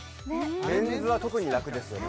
メンズは特に楽ですよね